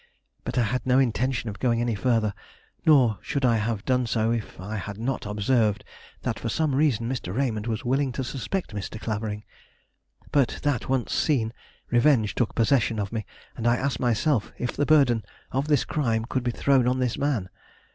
But I had no intention of going any further, nor should I have done so if I had not observed that for some reason Mr. Raymond was willing to suspect Mr. Clavering. But that once seen, revenge took possession of me, and I asked myself if the burden of this crime could be thrown on this man.